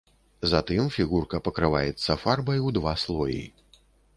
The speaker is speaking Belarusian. Затым фігурка пакрываецца фарбай у два слоі.